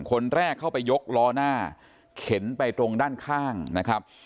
คนแรกเข้าไปยกล้อหน้าเข็นไปตรงด้านข้างนะครับ